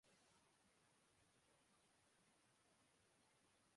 کیا مجھے یہ تبدیلی خوش دلی سے قبول کر لینی چاہیے؟